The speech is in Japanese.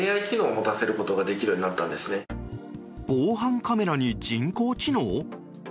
防犯カメラに人工知能？